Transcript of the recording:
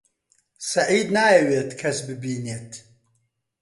سەعید نایەوێت کەس ببینێت.